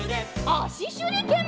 あししゅりけん！